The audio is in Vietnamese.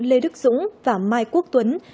lê đức dũng và mai quốc tuấn